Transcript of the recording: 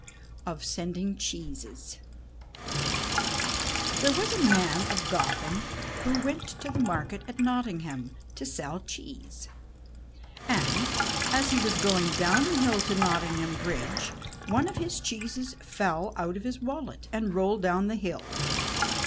OF SENDING CHEESES There was a man of Gotham who went to the market at Nottingham to sell cheese, and as he was going down the hill to Nottingham bridge, one of his cheeses fell out of his wallet and rolled down the hill.